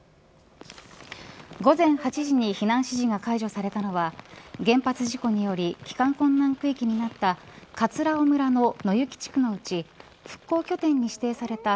午前８時に避難指示が解除されたのは原発事故により帰還困難区域となった葛尾村の野行地区のうち復興拠点に指定された